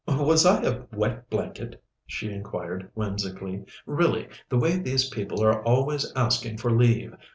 "Was I a wet blanket?" she inquired whimsically. "Really, the way these people are always asking for leave!